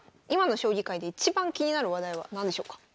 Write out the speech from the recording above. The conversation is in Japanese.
今の将棋界でいちばん気になる話題は何でしょうか？